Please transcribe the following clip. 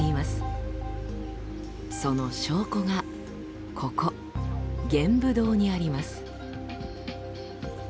その証拠がここ玄武洞にあります。